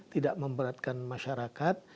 tidak memberatkan masyarakat